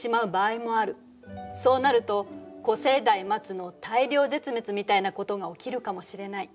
そうなると古生代末の大量絶滅みたいなことが起きるかもしれない。